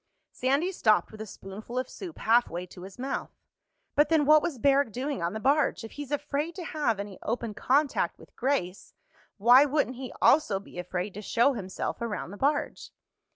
Sandy stopped with a spoonful of soup halfway to his mouth. "But then what was Barrack doing on the barge? If he's afraid to have any open contact with Grace, why wouldn't he also be afraid to show himself around the barge?"